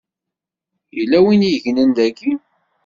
Yella win i yegnen daki.